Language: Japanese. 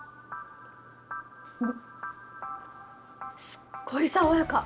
すっごい爽やか！